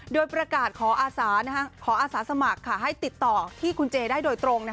โดยประกาศขออาสาสมัครให้ติดต่อที่คุณเจได้โดยตรง